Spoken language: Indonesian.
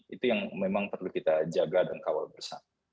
itu yang memang perlu kita jaga dan kawal bersama